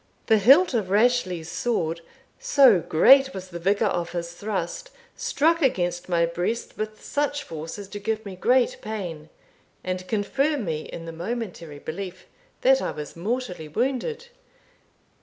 The hilt of Rashleigh's sword, so great was the vigour of his thrust, struck against my breast with such force as to give me great pain, and confirm me in the momentary belief that I was mortally wounded.